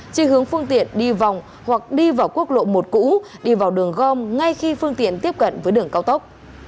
chỉ hướng phương tiện đi vòng hoặc đi vào quốc lộ một cũ đi vào đường gom ngay khi phương tiện tiếp cận với đường cao tốc